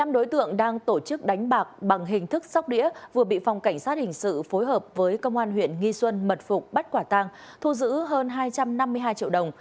năm đối tượng đang tổ chức đánh bạc bằng hình thức sóc đĩa vừa bị phòng cảnh sát hình sự phối hợp với công an huyện nghi xuân mật phục bắt quả tang thu giữ hơn hai trăm năm mươi hai triệu đồng